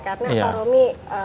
karena pak romi